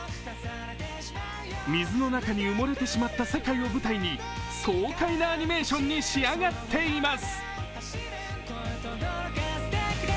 水の中に埋もれてしまった世界を舞台に爽快なアニメーションに仕上がっています。